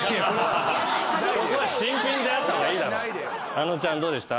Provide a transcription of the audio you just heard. あのちゃんどうでした？